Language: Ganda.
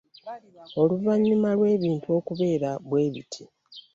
Oluvannyuma lw'ebintu okubeera bwe biti